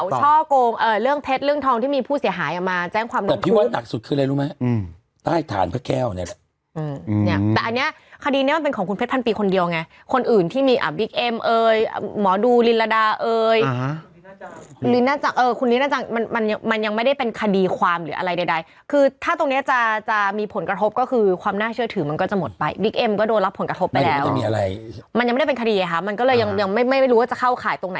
แต่อันนี้คดีนี้มันเป็นของคุณเพชรพันปีคนเดียวไงคนอื่นที่มีอ่ะบิ๊กเอ็มเอ๋ยหมอดูลินลาดาเอ๋ยคุณลิน่าจังมันยังไม่ได้เป็นคดีความหรืออะไรใดคือถ้าตรงนี้จะมีผลกระทบก็คือความน่าเชื่อถือมันก็จะหมดไปบิ๊กเอ็มก็โดนรับผลกระทบไปแล้วมันยังไม่ได้เป็นคดีเลยค่ะมันก็เลยยังไม่รู้ว่าจะ